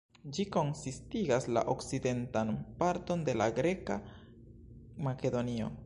Ĝi konsistigas la okcidentan parton de la greka Makedonio.